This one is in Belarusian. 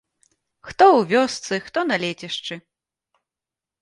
Хто ў вёсцы, хто на лецішчы.